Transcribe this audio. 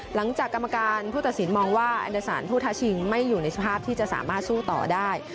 หลังจากกรรมการผู้ตัดสินมองว่าอันดาสารผู้ท้าชิงไม่อยู่ในสภาพที่จะสามารถสู้ต่อได้